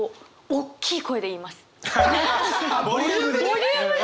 ボリュームで！？